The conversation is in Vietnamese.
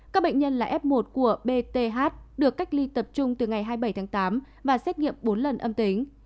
các bệnh nhân là f một của bth được cách ly tập trung từ ngày hai mươi bảy tháng tám và xét nghiệm bốn lần âm tính